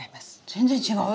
全然違う？